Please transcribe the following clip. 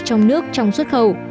trong nước trong xuất khẩu